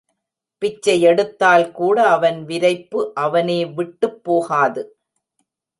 பிச்சையெடுத்தால் கூட அவன் விரைப்பு அவனே விட்டுப் போகாது.